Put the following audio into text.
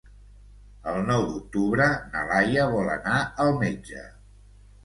El nou d'octubre na Laia vol anar al metge.